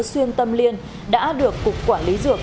xuyên tâm liên đã được cục quản lý dược